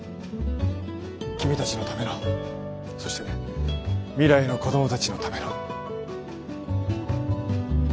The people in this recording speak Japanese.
君たちのためのそして未来の子どもたちのための。